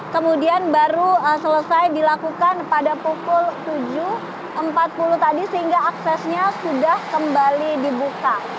kemudian baru selesai dilakukan pada pukul tujuh empat puluh tadi sehingga aksesnya sudah kembali dibuka